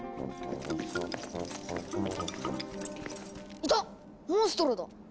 いたモンストロだ！